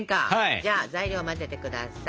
じゃあ材料を混ぜてください。